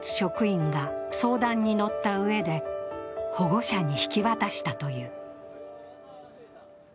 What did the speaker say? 心理学の知識を持つ職員が相談に乗ったうえで保護者に引き渡したという。